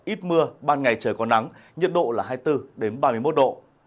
ít mưa ban ngày trời còn nắng nhiệt độ là hai mươi bốn đến ba mươi một độ